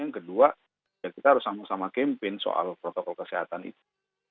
yang kedua ya kita harus sama sama campaign soal protokol kesehatan itu